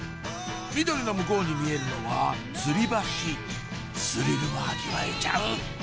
緑の向こうに見えるのはつり橋スリルも味わえちゃう！